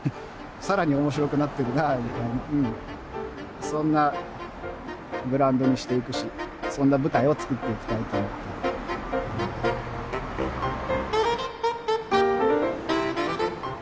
さらに面白くなっているなみたいにそんなブランドにしていくしそんな舞台を作っていきたいと思っているので。